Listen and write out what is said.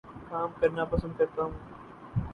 کام کرنا پسند کرتا ہوں